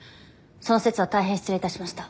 その節は大変失礼いたしました。